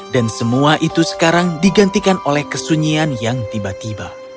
dan semua itu sekarang digantikan oleh kesunyian yang tiba tiba